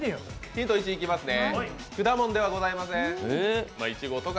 ヒント１いきますね。